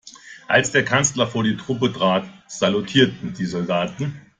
Als der Kanzler vor die Truppe trat, salutierten die Soldaten.